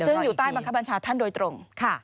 ซึ่งอยู่ใต้บังคับบัญชาท่านโดยตรง